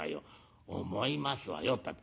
「思いますわよったって